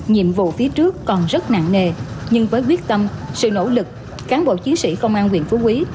nhiệm vụ phía trước còn rất nặng nề nhưng với quyết tâm sự nỗ lực cán bộ chiến sĩ công an huyện phú quý